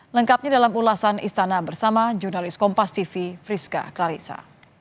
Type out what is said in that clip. lengkapnya dalam ulasan istana bersama jurnalis kompas tv friska clarissa